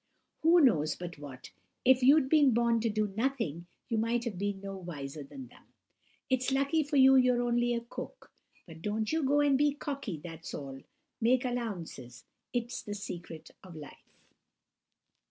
Who knows but what, if you'd been born to do nothing, you might have been no wiser than them! It's lucky for you you're only a cook; but don't you go and be cocky, that's all! Make allowances; it's the secret of life!